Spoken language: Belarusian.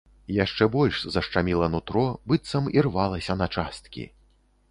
Яшчэ больш зашчаміла нутро, быццам ірвалася на часткі.